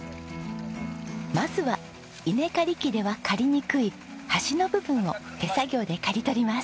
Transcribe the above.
まずは稲刈り機では刈りにくい端の部分を手作業で刈り取ります。